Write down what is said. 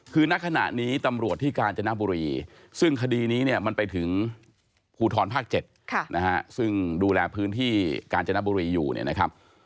ภูทรภาค๗นะฮะซึ่งดูแลพื้นที่กาญจนบุรีอยู่เนี่ยนะครับ